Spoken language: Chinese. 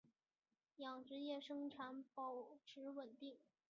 养殖业生产保持稳定。